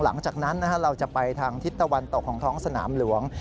หลังจากนั้นเราจะไปทางทิศตะวันตกของท้องสนามหลวง